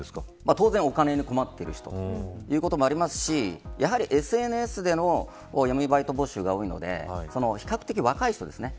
当然、お金に困っている人というのもありますしＳＮＳでの闇バイト募集が多いので比較的若い人ですよね。